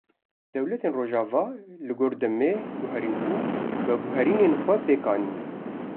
Dewletên rojava li gor demê, guherîn û veguherînên xwe pêk anîn